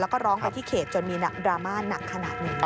แล้วก็ร้องไปที่เขตจนมีดราม่าหนักขนาดนี้